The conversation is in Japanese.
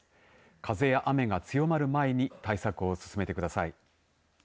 風や雨が強まる前に対策を進めてください。